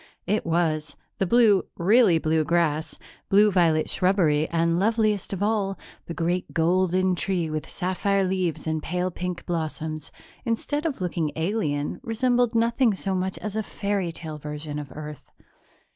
It was. The blue really blue grass, blue violet shrubbery and, loveliest of all, the great golden tree with sapphire leaves and pale pink blossoms, instead of looking alien, resembled nothing so much as a fairy tale version of Earth.